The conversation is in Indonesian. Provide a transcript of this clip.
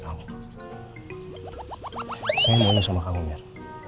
kita sangat bisa mencintai mir